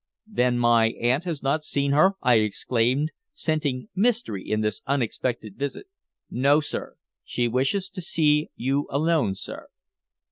"Then my aunt has not seen her?" I exclaimed, scenting mystery in this unexpected visit. "No, sir. She wishes to see you alone, sir."